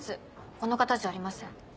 この方じゃありません。